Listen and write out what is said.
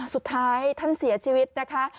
สุดท้ายท่านเสียชีวิตนะคะ